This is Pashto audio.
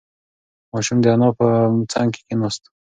ماشوم د انا په څنگ کې کېناست.